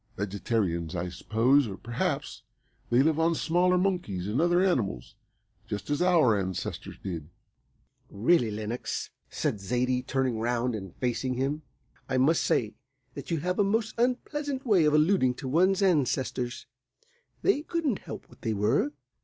Vegetarians, I suppose, or perhaps they live on smaller monkeys and other animals, just as our ancestors did." "Really, Lenox," said Zaidie, turning round and facing him, "I must say that you have a most unpleasant way of alluding to one's ancestors. They couldn't help what they were."